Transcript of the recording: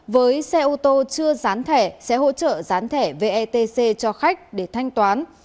với xe ô tô chưa dán thẻ sẽ hỗ trợ dán thẻ vetc cho khách để thanh toán